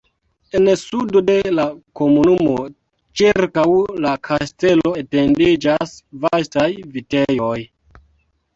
En sudo de la komunumo ĉirkaŭ la kastelo etendiĝas vastaj vitejoj.